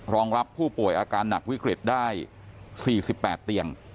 รองรับผู้ป่วยอาการหนักวิกฤตได้๔๘เตียง